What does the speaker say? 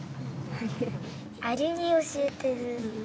アリに教えてる！